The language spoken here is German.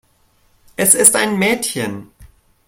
Es ist ein Mädchen.